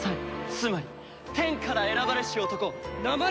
つまり天から選ばれし男鉛崎ボルト！